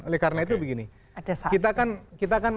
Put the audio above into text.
oleh karena itu begini kita kan